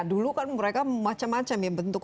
dulu kan mereka macam macam ya bentuk